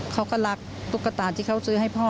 เขาก็รักตุ๊กตาที่เขาซื้อให้พ่อ